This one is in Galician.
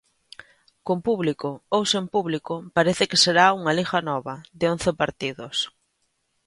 Con público ou sen público, parece que será unha Liga nova, de once partidos.